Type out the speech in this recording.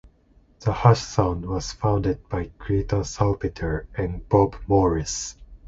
The Hush Sound was founded by Greta Salpeter and Bob Morris.